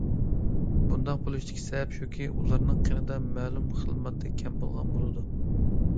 بۇنداق بولۇشتىكى سەۋەب شۇكى— ئۇلارنىڭ قېنىدا مەلۇم خىل ماددا كەم بولغان بولىدۇ.